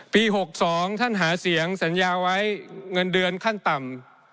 ๖๒ท่านหาเสียงสัญญาไว้เงินเดือนขั้นต่ำ